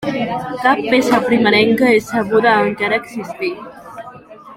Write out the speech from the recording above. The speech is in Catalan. Cap peça primerenca és sabuda a encara existir.